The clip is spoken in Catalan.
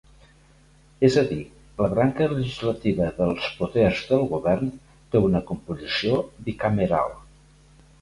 És a dir, la branca legislativa dels poders del govern té una composició bicameral.